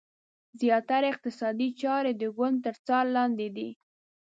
زیاتره اقتصادي چارې د ګوند تر څار لاندې دي.